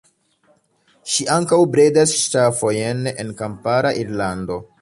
Ŝi ankaŭ bredas ŝafojn en kampara Irlando.